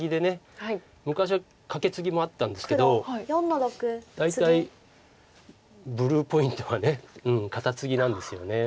昔はカケツギもあったんですけど大体ブルーポイントはカタツギなんですよね。